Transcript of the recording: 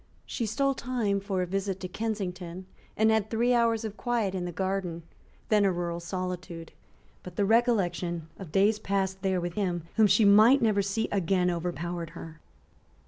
She stole time for a visit to Kensington, and had three hours of quiet in the garden, then a rural solitude, But the recollection of days passed there with him whom she might never see again overpowered her.